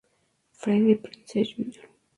Freddie Prinze, Jr.